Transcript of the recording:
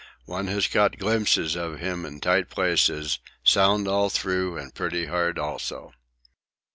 'One has caught glimpses of him in tight places; sound all through and pretty hard also.'